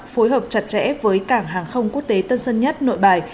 phối hợp chặt chẽ với cảng hàng không quốc tế tân sơn nhất nội bài